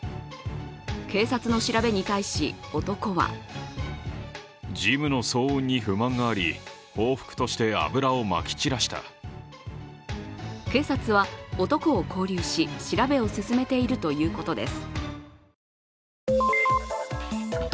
警察の調べに対し、男は警察は男を勾留し、調べを進めているということです。